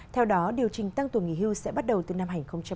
theo đó điều chỉnh tăng tuổi nghỉ hưu sẽ bắt đầu từ năm hai nghìn hai mươi một